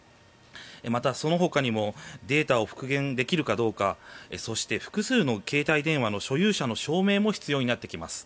また、そのほかにもデータを復元できるかどうかそして、複数の携帯電話の所有者の証明も必要になってきます。